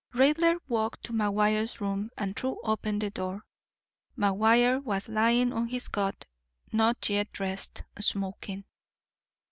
Raidler walked to McGuire's room and threw open the door. McGuire was lying on his cot, not yet dressed, smoking.